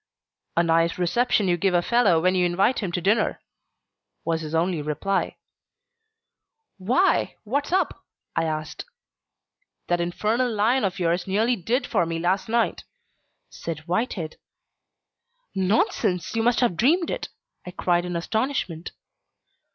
"A nice reception you give a fellow when you invite him to dinner," was his only reply. "Why, what's up?" I asked. "That infernal lion of yours nearly did for me last night," said Whitehead. "Nonsense, you must have dreamed it!" I cried in astonishment.